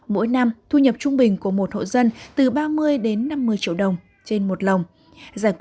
mỗi năm thu nhập trung bình của một hộ dân từ ba mươi đến năm mươi triệu đồng trên một lồng